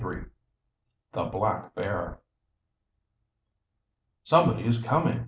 THE BLACK BEAR. "Somebody is coming!"